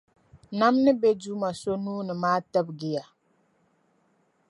Nam ni be Duuma so nuu ni maa tibigi ya